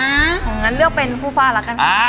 อย่างนั้นเลือกเป็นผู้ฟ่าแล้วกัน